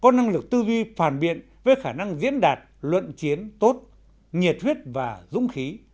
năng lực tư vi phản biện với khả năng diễn đạt luận chiến tốt nhiệt huyết và dũng khí